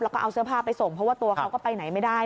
แล้วก็เอาเสื้อผ้าไปส่งเพราะว่าตัวเขาก็ไปไหนไม่ได้